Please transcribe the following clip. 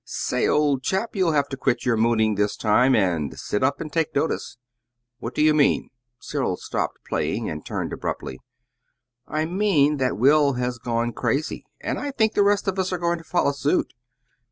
"Say, old chap, you'll have to quit your mooning this time and sit up and take notice." "What do you mean?" Cyril stopped playing and turned abruptly. "I mean that Will has gone crazy, and I think the rest of us are going to follow suit."